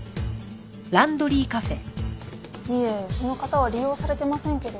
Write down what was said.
いえその方は利用されてませんけど。